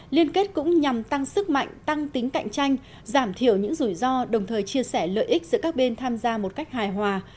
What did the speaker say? liên kết cũng nhằm tăng sức mạnh tăng tính cạnh tranh giảm thiểu những rủi ro đồng thời chia sẻ lợi ích giữa các bên tham gia một cách hài hòa